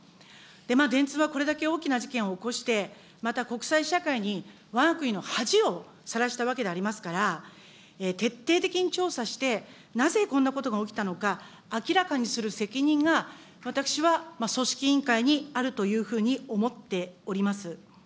電通はこれだけ大きな事件を起こして、また国際社会にわが国の恥をさらしたわけでありますから、徹底的に調査して、なぜこんなことが起きたのか明らかにする責任が私は組織委員会にあるというふうに思っております。